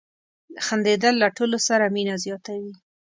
• خندېدل له ټولو سره مینه زیاتوي.